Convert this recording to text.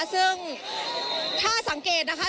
ซึ่งถ้าสังเกตนะคะ